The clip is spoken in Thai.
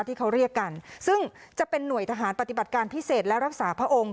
ที่เขาเรียกกันซึ่งจะเป็นหน่วยทหารปฏิบัติการพิเศษและรักษาพระองค์